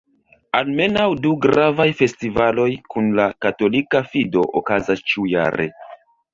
Almenaŭ du gravaj festivaloj kun la katolika fido okazas ĉiujare.